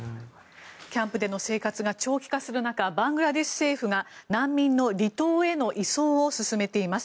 キャンプでの生活が長期化する中バングラデシュ政府が難民の離島への移送を進めています。